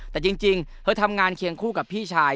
แต่จริงเธอทำงานเคียงคู่กับพี่ชาย